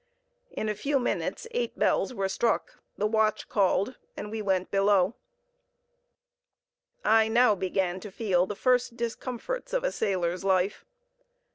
In a few minutes eight bells were struck, the watch called, and we went below. I now began to feel the first discomforts of a sailor's life.